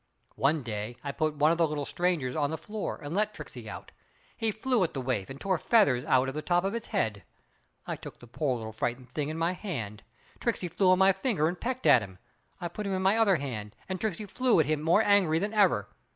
One day I put one of the little strangers on the floor and let Tricksey out. He flew at the waif and tore feathers out of the top of his head. I took the poor little frightened thing in my hand. Tricksey flew on my finger and pecked at him. I put him in my other hand and Tricksey flew at him more angry than ever.